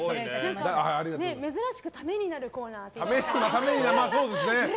珍しくためになるコーナーですね。